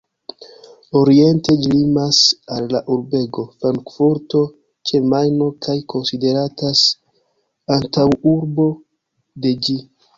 Oriente ĝi limas al la urbego Frankfurto ĉe Majno, kaj konsideratas antaŭurbo de ĝi.